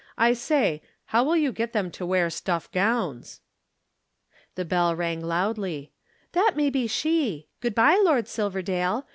I say, how will you get them to wear stuff gowns?" The bell rang loudly. "That may be she. Good bye, Lord Silverdale.